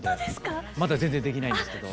まだ全然できないんですけど。